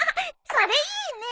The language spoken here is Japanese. それいいね。